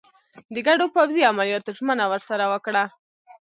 د ګډو پوځي عملیاتو ژمنه ورسره وکړه.